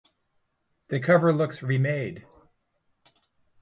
The cover looks re-made.